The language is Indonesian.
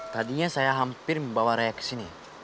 tadinya saya hampir membawa reak ke sini